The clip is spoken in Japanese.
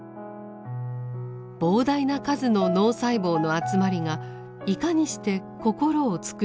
膨大な数の脳細胞の集まりがいかにして心を作り上げるのか。